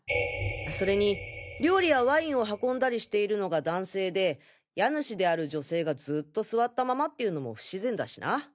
それに料理やワインを運んだりしているのが男性で家主である女性がずっと座ったままっていうのも不自然だしな。